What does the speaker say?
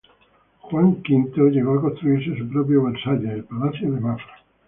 Juan V llegó a construirse su propio Versalles, el Palacio de Mafra.